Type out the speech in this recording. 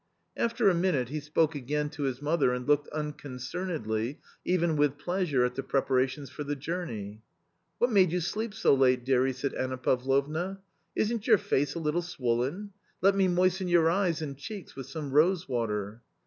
After a minute he spoke again to his mother and looked unconcernedly, even with pleasure, at the prepara tions for the journey. " What made you sleep so late, dearie ?" said Anna Pavlovna, "isn't your face a little swollen ? Let me moisten your eyes and cheeks with some rose water.